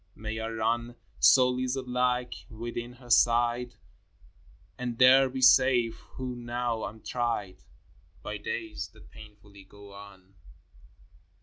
May I run So, lizard like, within her side, And there be safe, who now am tried By days that painfully go on